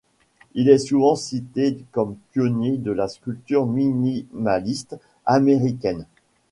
Il est souvent cité comme pionnier de la sculpture minimaliste américaine.